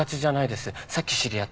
さっき知り合ったんで。